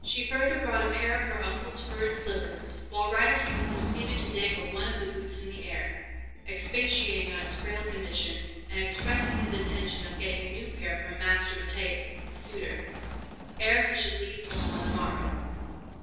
She further brought a pair of her uncle's furred slippers, while Reiter Hugh proceeded to dangle one of the boots in the air, expatiating on its frail condition, and expressing his intention of getting a new pair from Master Matthias, the sutor, ere he should leave Ulm on the morrow.